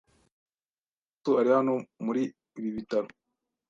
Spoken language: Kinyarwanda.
Masasu ari hano muri ibi bitaro.